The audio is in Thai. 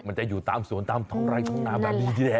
มันจะอยู่ตามสวนตามท้องไร่ท้องนาแบบนี้ทีแรก